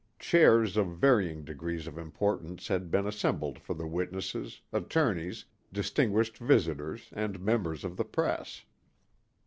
Chairs of varying degrees of importance had been assembled for the witnesses, attorneys, distinguished visitors and members of the press.